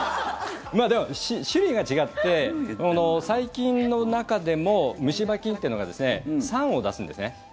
種類が違って細菌の中でも虫歯菌というのが酸を出すんですね。